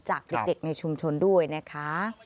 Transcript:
จากเด็กในชุมชนด้วยนะคะ